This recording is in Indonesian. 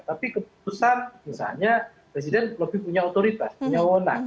tapi keputusan misalnya presiden lebih punya otoritas punya wonang